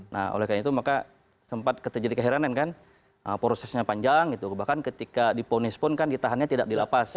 nah oleh karena itu maka sempat terjadi keheranan kan prosesnya panjang gitu bahkan ketika diponis pun kan ditahannya tidak di lapas